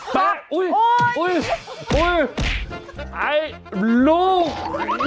ไปอุ๊ยไอลูกเย้